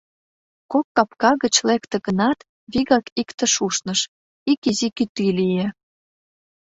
Кок капка гыч лекте гынат, вигак иктыш ушныш, ик изи кӱтӱ лие.